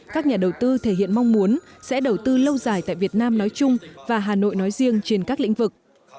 các nhà đầu tư thể hiện mong muốn sẽ đầu tư lâu dài tại việt nam nói chung và hà nội nói riêng trên các lĩnh vực